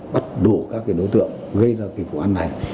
bắt đủ các đối tượng gây ra vụ án này